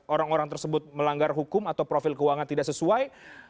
orang orang tersebut melanggar hukum atau profil keuangan tidak sesuai